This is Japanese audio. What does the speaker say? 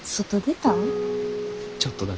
ちょっとだけな。